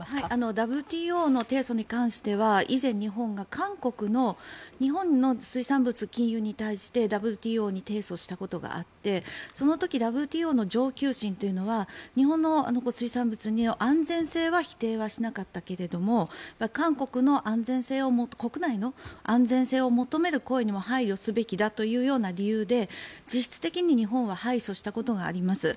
ＷＴＯの提訴に関しては以前、日本が韓国の日本の水産物禁輸に対してＷＴＯに提訴したことがあってその時、ＷＴＯの上級審というのは日本の水産物の安全性は否定はしなかったけども韓国国内の安全性を求める声にも配慮すべきだという理由で実質的に日本は敗訴したことがあります。